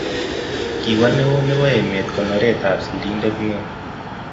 Kiwo neo nebo emet koneret ab sirindet neo